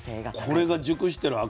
これが熟してる証しね。